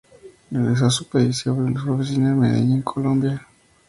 Regresó a su país y abrió su oficina en Medellín, Colombia.